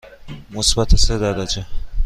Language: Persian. مثبت سه درجه.